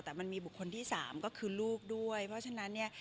แต่มันมีบุคคลที่สามก็คือลูกด้วยเพราะฉะนั้นเนี่ย